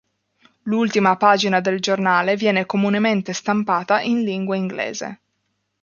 L'ultima pagina del giornale viene comunemente stampata in lingua inglese.